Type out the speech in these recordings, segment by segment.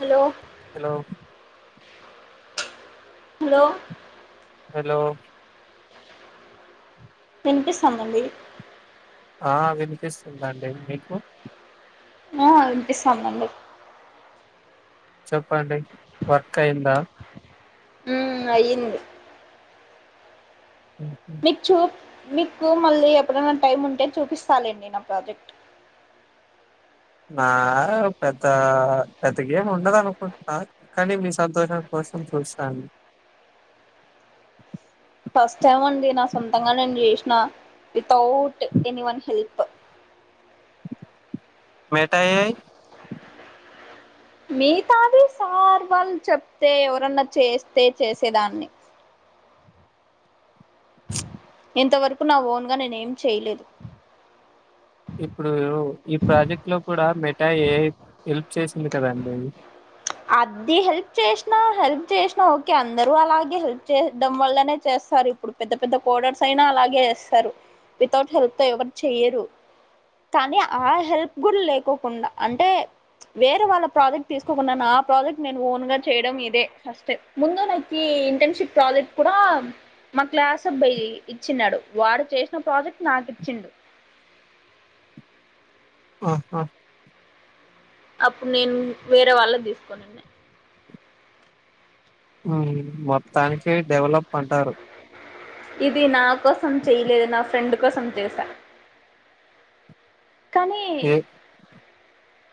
Hello hello hello hello వినిపిస్తుందండి ఆ వినిపిస్తుఉంది అండి మీకు ఆ వినిపిస్తందండి చెప్పండి వర్క్ అయిందా హమ్ అయ్యింది మీకు చూ మీకు మళ్ళీ ఎప్పుడైనా టైమ్ ఉంటే చూపిస్తాలేండి నా ప్రాజెక్ట్ నా పెద్ద పెద్ద గ ఏమి ఉండదు అనుకుంటున్నా కానీ మీ సంతోషం కోసం చూస్తాను ఫస్ట్ టైమ్ అండి నా సొంతంగా నేను చేసిన వితౌట్ ఎనీ వన్ హెల్ప్ మోగితే ఐ మిగతాది సార్ వాళ్ళు చెప్తే ఎవరన్నా చేస్తే చేసేదాన్ని ఇంతవరకు నా ఓన్ గా నేనే ఏం చేయలేదు ఇప్పుడు ఈ ప్రాజెక్ట్ లో కూడా మెటా ఎ ఐ హెల్ప్ చేసింది కదండి అది హెల్ప్ చేసినా హెల్ప్ చేసినా ఓకే అందరూ అలాగే హెల్ప్ చేయడం వల్లనే చేస్తారు ఇప్పుడు పెద్ద పెద్ద కోడర్స్ అయినా అలాగే వేస్తారు వితౌట్ హెల్ప్ తో ఎవరు చెయరు కానీ ఆ హెల్ప్ గు లేకోకుండా అంటే వేరే వాళ్ళ ప్రాజెక్ట్ తీసుకోకుండా మో న్నా నా ప్రాజెక్ట్ నేను ఓన్ గా చేయడం ఇదే ఫస్ట్ ముందు నాకు ఇంటర్న్షిప్ ప్రాజెక్ట్ కూడా మా క్లాస్ అబ్బాయి ఇచ్చినడు వాడు చేసిన ప్రాజెక్ట్ నాకు ఇచ్చిండు ఆహా హా అప్పుడు నేను వేరే వాళ్ళ తీసుకోనండి మొత్తానికి డెవలప్ అంటారు ఇది నా కోసం చెయలేదు నా ఫ్రెండ్ కోసం చేసా కానీ ఏ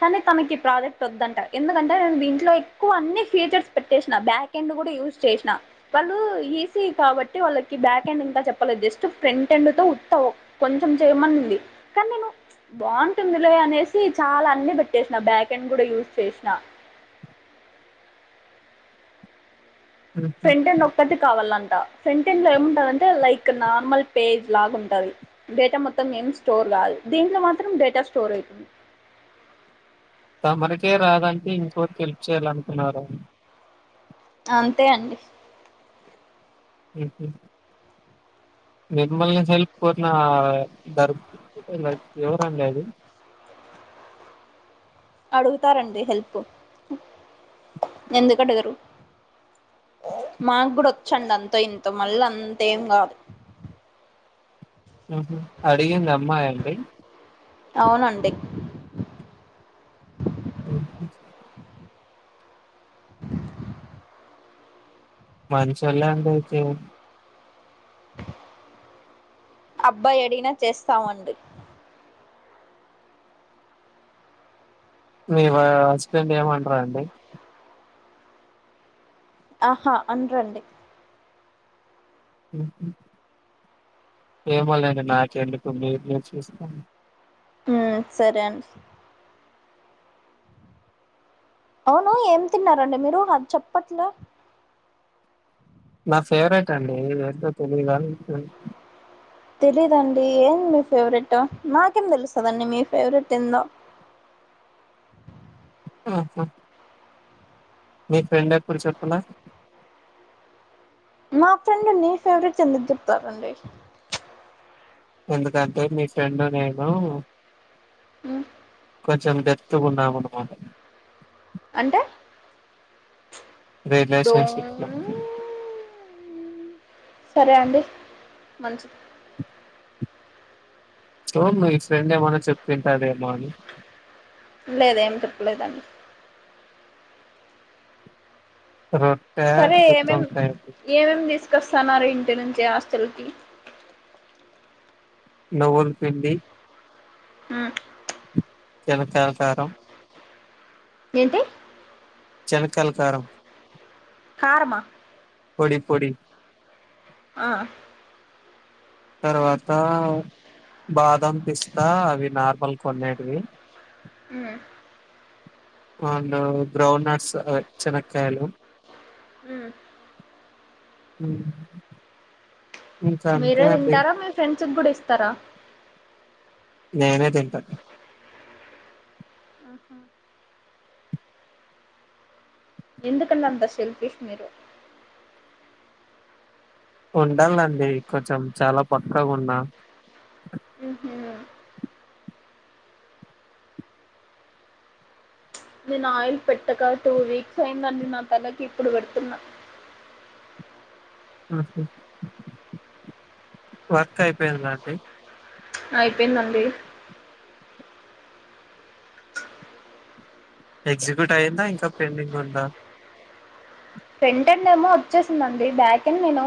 కానీ తనకి ఈ ప్రాజెక్ట్ వద్దంట ఎందుకంటే నేను దీంట్లో ఎక్కువ అన్ని ఫ్యూచర్స్ పెట్టేసిన బ్యాక్ కెండు కూడా యజస్ చేసినా వాళ్ళు ఈసీ కాబట్టి వాళ్ళకి బ్యాక్ హ్యాండ్ ఇంకా చెప్పలేదు జస్ట్ ఫ్రంట్ హ్యాండ్ తో ఉతావు కొంచెం చేయమనింది కానీ నేను బాగుంటుంది లే అనేసి చాలా అన్ని పెట్టేసిన బ్యాకండ్డ్ కూడా యూజ్ చేసిన ఉహు. ఫ్రేంటెన్ ఒక్కటి కావాలంట సెంటెన్ లో ఏముంటందింటే లైక్ నార్మల్ పేజ్ లాగా ఉంటది డేటా మొత్తం ఏమి స్టోర్ కాదు. దీంట్లో మాత్రం డేటా స్టోర్ అవుతుంది. తమరికె రాదంటే ఇంకోరికి హెల్ప్ చేయాలనుకున్నార అంతే అండి ఉహ్ నిర్మల నుంచి వెల్పోతున్న దర్ ఏవరు అండి అది అడుగుతారండి హెల్ప్ ఎందుకు అడగరు మాకు కూడా వచ్చండి అంత ఇంతో మళ్ళ అంతేం కాదు హ్ హు అడిగింది అమ్మాయండి అవునండి. అ [unintelligible] [inaudible] మంచొళ్ళు అండి అయితే అబ్బాయి అడిగనా చేస్తామండి మేమ హస్బెండ్ ప్రతి మంటూరు అండి ఆహా అనారు అండి హమ్ ఏమోలేండి నాకు ఎందుకు మీరు మీరు చూసుకోండి హ్ సరే అండి అవును ఏం తిన్నారండి మీరు అది చెప్పట్లే నా ఫేవరెట్ అండి. ఏంతో తెలిదు గానీ తెలీయాదు అండి నాకు ఏం తెలుస్తాది మీ ఫేవరెట్ నాకేం తెలుస్సది అండి మీ ఫేవరెట్ ఏందో ఆహా మీ ఫ్రెండ్ ఎప్పుడు చెప్పాలే నా ఫ్రెండ్ నీ ఫేవరెట్ ఎందుకు చెప్తారండి ఎందుకంటే మీ ఫ్రెండ్ నేను హ్ కొంచెం డేప్తుగా ఉన్నాం అన్నమాట అంటే రిలేషన్షిప్ లో డోన్ సరే అండి మంచిది సో మీ ఫ్రెండ్ ఏమన్న చెప్పి ఉంటాదేమో అని లేదు ఏం చేప్పలేదండి [unintelligible] సరే ఏమేం గుత్తొంకాయండి, ఏమేమి తీసుకొస్త ఉన్నారు ఇంటి నుంచి హాస్టల్ కి నువ్వుల పిండి ఉమ్ శనక్కయల కారం ఏంటి చెనక్కయల కారం కారమ్ పొడి పొడి హా తర్వాత బాదం పిస్తా అవి నార్మల్ గా కొనేటివి ఉ ఆండు గ్రౌన్ నట్సు చెనక్కాయ్లి ఊ ఇంకంతే అండి ఫ్రెండ్సుగ్గుడా ఇస్తరా నేనే దింటా ఆహా ఎందుకండి అంత షెల్ఫీస్ మీరు ఉండల్లండి కొంచం చాలా పక్కగున్నా ఊహూ నేనాయిల్ పెట్టక టూ వీక్స్ అయిందండి నా తలకి ఇప్పుడు వెడుతున్న ఊహు వర్కైపేయిందండి ఐపేయిందండి ఎగ్జిక్యూట్ అయ్యిందా ఇంకా పెండింగుందా ఫ్రెంటర్నేమో వొచ్చేసిందండి బ్యాక్ డన్ నేనూ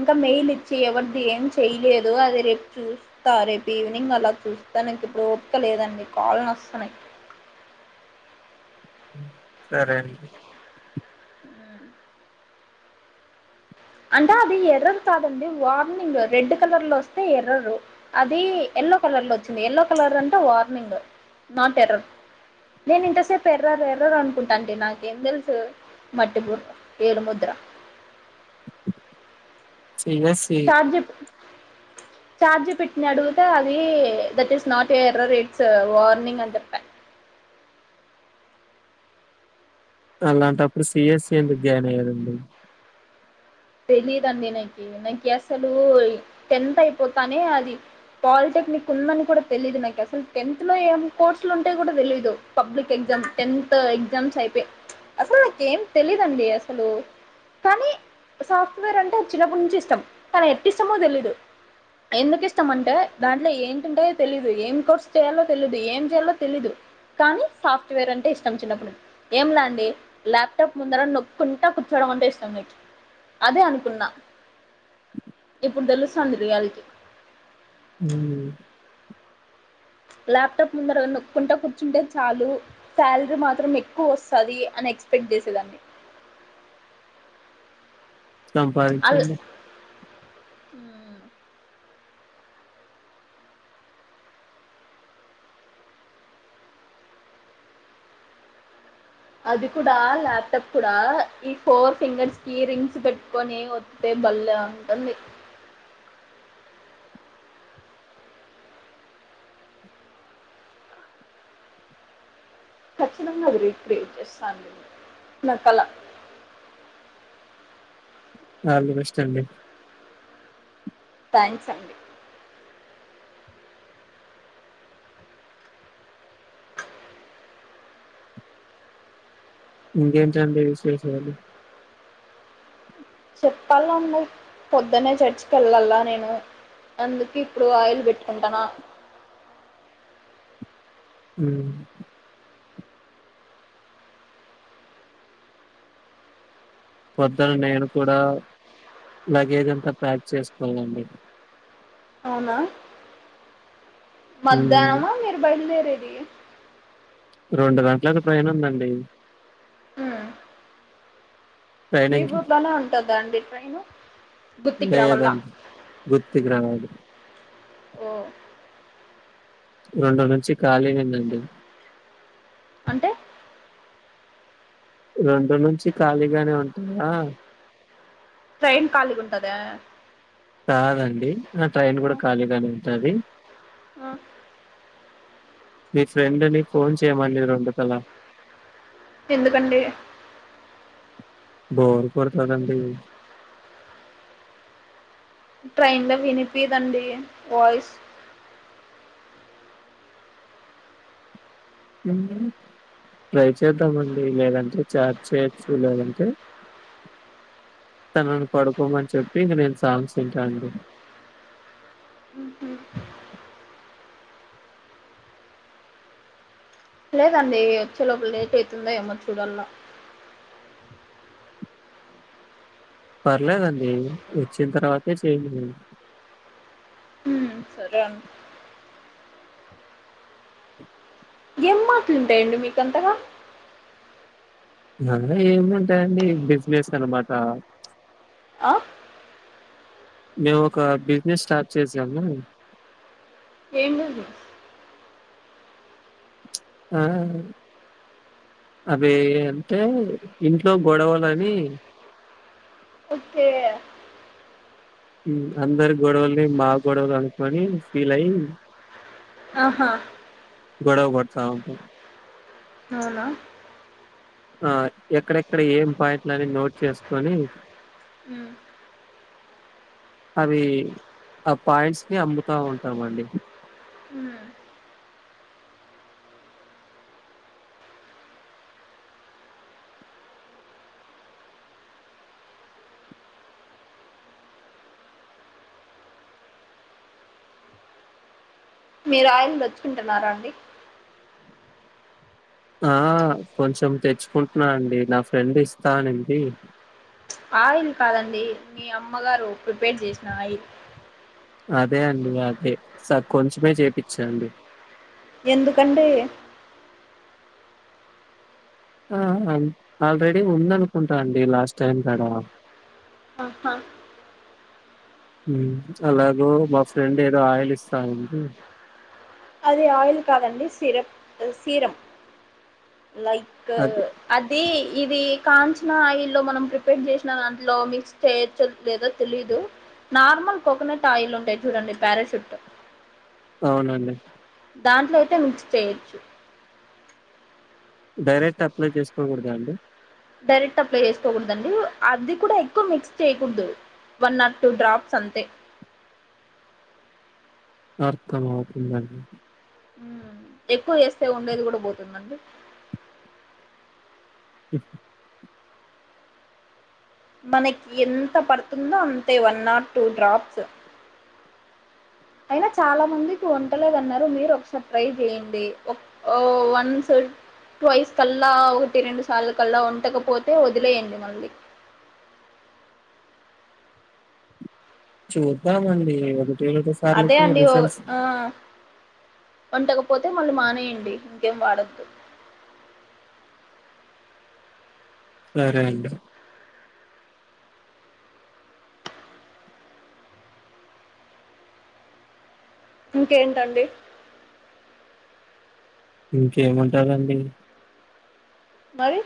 ఇంకా మెయిలిచ్చి ఎవర్ది ఏం చెయ్లేదు అది రేప్ చూస్ స్తా రేపీవ్నింగ్ అలా చూస్తా నాకిప్పుడు ఓప్క లేదండి కాళ్ళ్ నొస్తున్నాయ్ సరే అండి అంటే అది ఎర్రర్ కాదండి వార్నింగు రెడ్డు కలర్ లో వొస్తే ఎర్రరు అదీ ఎల్లో కలర్ లో వొచ్చింది ఎల్లో కల్లరంటే వార్నింగు నాట్ ఎర్రర్ నేనింత సేప్ ఎర్రర్ ఎర్రరు అనుకుంటాంటి నాకేం దెలుసు మట్టిబుర్ ఏడు ముద్ర సీర్యస్సీ అంజెప్ చార్జీ పెట్ని అడుగుతే అది that is not a error it's warning అని జెప్య అలాంటప్పుడు సిఎస్సి ఎందుక్ జాయిన్ అయ్య [unintelligible] తెలీదండి నాకి నాకి అస్సలూ ఈ టెన్త్ అయిపోతానే అది పాలిటెక్నిక్ ఉందని కుడా తెలీదు నాకి అసల్ టెన్త్ లో ఏం కోర్సులుంటాయొ గుడ దెలీదు పబ్లిక్ ఎగ్జామ్ టెన్తు ఎగ్జామ్స్ అయిపే అసల్ నాకేం తెలీదండి అసలు కానీ సాఫ్ట్వేర్ అంటేచిన్నప్పుట్నుంచి ఇష్టం కాని ఎట్టి ఇష్టమో దెలీదు ఎందుకిష్టమంటే దాంట్లో ఏంటుంటయో తెలీదు ఏం కోర్స్ చేయాలో తెలీదు ఏం జేయాలో తెలీదు కానీ సాఫ్ట్వేర్ అంటే ఇష్టం చిన్నప్పును ఏం లా అండి ల్యాప్టాప్ ముందర నొక్కుంటా కుచ్లోడం అంటే ఇష్టం నాకి అదే అనుకున్నా ఇప్పుడు దెలుస్తాంది రియాల్టీ [unintelligible] ల్యాప్టాప్ ముందర నొక్కుంటా కూర్చుంటే చాలు శాల్రీ మాత్రం ఎక్కువొస్తది అని ఎక్స్పెక్ట్ జేసేదాన్ని అల్ సంపాదించ్చండి అది కూడా ల్యాప్టాప్ కూడా ఈ ఫోర్ ఫింగర్స్ కి రింగ్స్ పెట్కొని వొ తే బల్లే ఉంటుంది ఖచ్చితంగా అది రీక్రియేట్ చేస్తాను నా కళ ఆల్ ది బెష్టండి థ్యాంక్సండి ఇంగేంటండి విశేషాలు సొప్పలండి పొద్దన్నె చర్చికెళ్ళళ్ళ నేను అందుకి ఇప్పుడు ఆయిల్ బెట్టుకుంటనా ఉమ్మ్ పొద్దున నేను కూడా లగేజ్ అంతా ప్యాక్ చేసుకోవాలండి అవునా హ్మ్. మధ్యాహ్నమా మీరు బయలుదేరేది రెండు గంటలకి ట్రైను ఉందండి ఉమ్మ్ మీ ట్రైనింగ్కి గూట్లనే ఉంటందా అండి ట్రైన్ లేదండి గుత్తికి రావాలి ఓ రెండు నుంచి ఖాళీనేనండి అంటే రెండు నుంచి ఖాళీగానే ఉంటయా ట్రైన్ ఖాళీగా ఉంటదా కాదండి ఆ ట్రైన్ కూడా ఖాళీగానే ఉంటది ఆ మీ ఫ్రెండ్‌ని ఫోన్ చేయమండి రెండుకాల ఎందుకండి బోర్ కొడతాదండి ట్రైన్‌లో వినిపిదండి వాయిస్ ట్రై చేద్దామండి లేదంటే చాట్ చేయొచ్చు లేదంటే తనని పడుకోమని చెప్పి ఇంక నేను సాంగ్స్ వింటా అండి మ్మ్ఉమ్మ్ లేదండి వచ్చే లోపు లేట్ అయితుందో ఏమో చూడాల్ల పర్లేదండి వచ్చిన తర్వాతే చేయండి ఉమ్ సరే అం ఏం మాట్లు ఉంటాయండి మీకంతగా నన్నే ఏముంటాయండి బిజినెస్ అనమాట ఆ మేము ఒక బిజినెస్ స్టార్ట్ చేసాము ఏముంది ఆ అవి అంటే ఇంట్లో గొడవలని ఓకే ఉమ్మ్ అందరి గొడవల్ని మా గొడవలు అనుకొని ఫీల్ అయి ఆహా గొడవ పడతా ఉంటాం అవునా ఆ ఎక్కడెక్కడ ఏం పాయింట్లని నోట్ చేసుకొని ఉమ్మ్ అవి ఆ పాయింట్స్‌ని అమ్ముతా ఉంటామండి ఉమ్మ్ మీరు ఆయిల్ దెచ్చుకుంటున్నారా అండి ఆ కొంచెం తెచ్చుకుంటున్నా అండి నా ఫ్రెండ్ ఇస్తా అనింది ఆయిల్ కాదండి మీ అమ్మగారు ప్రిపేర్ చేసిన ఆయిల్ అదే అండి అదే స కొంచమే చేపిచ్చా అండి ఎందుకంటే ఆహ్ హా ఆల్రెడీ ఉంద అనుకుంటా అండి లాస్ట్ టైం కడ అహా హా అలాగో మా ఫ్రెండ్ ఏదో ఆయిల్ ఇస్తాండి అది ఆయిల్ కాదండి సిరప్ సీరమ్ లైక్ అది అది ఇది కాంచిన ఆయిల్ల్లో మనం ప్రిపేర్ చేసిన దాంట్లో మిక్స్ చే చేయాచో లేదో తెలీదు నార్మల్ కోకోనట్ ఆయిల్ ఉంటాయి చూడండి పారాషూట్ అవునండి దాంట్లో అయితే మిక్స్ చేయొచ్చు డైరెక్ట్ అప్లై చేసుకోకూడదా అండి డైరెక్ట్ అప్లై చేసుకోకూడదండి అది కూడా ఎక్కువ మిక్స్ చేయకూడదు one or not two drops అంతే అర్థమావుతుందండి ఎక్కువ చేస్తే ఉండేది కూడా పోతుందండి ఇప్పు మనకి ఎంత పడుతుందో అంతే వన్ ఓర్ టూ డ్రాప్స్ అయినా చాలా మందికి వంటలేదన్నారు మీరు ఒకసారి ట్రై చేయండి ఓ వన్స్ వయస్ కల్లా ఒకటి రెండు సార్లు కల్లా ఉండకపోతే వదిలేయండి మళ్ళీ చూద్దామండి రెండు అదే సార్లకి అండి ఓ రిజల్ట్స్ ఆ వంటకపోతే మళ్ళీ మానేయండి ఇంకేం వాడొద్దు సరే ఐతే ఇంకేంటండి ఇంకేమంటారండి మరి